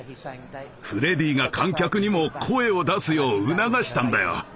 フレディが観客にも声を出すよう促したんだよ！